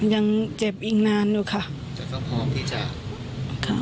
ยังเจ็บอีกนานก่อนค่ะ